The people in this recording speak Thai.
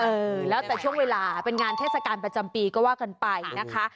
เออแล้วแต่ช่วงเวลาเป็นงานเทศกาลประจำปีก็ว่ากันไปนะคะ